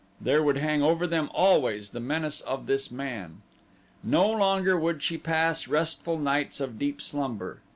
There would hang over them always the menace of this man. No longer would she pass restful nights of deep slumber.